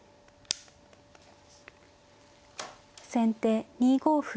先手２五歩。